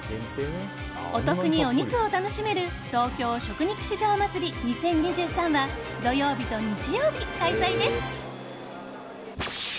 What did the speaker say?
お得にお肉を楽しめる東京食肉市場まつり２０２３は土曜日と日曜日、開催です。